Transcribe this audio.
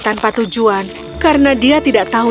tanpa tujuan karena dia tidak tahu